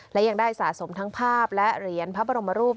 และยังได้สะสมทั้งภาพและเหรียญพระบรมรูป